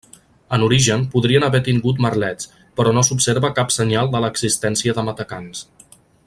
En origen podrien haver tingut merlets, però no s'observa cap senyal de l'existència de matacans.